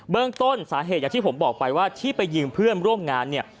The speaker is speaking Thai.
เรื่องต้นสาเหตุอย่างที่ผมบอกไปว่าที่ไปยิงเพื่อนร่วมงานเนี่ย